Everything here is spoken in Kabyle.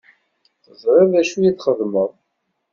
Teẓṛiḍ d acu i txedmeḍ?